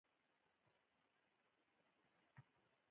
د سیمو د اتحاد رهبري پر غاړه واخلي.